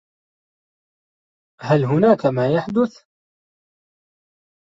هل هناك ما يحدث؟